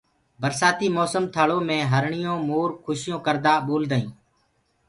برسآتي موسم ٿݪو مي هرڻي مور کُشيون ڪردآ ٻولدآئين